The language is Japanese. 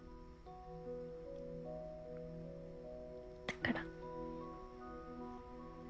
だから。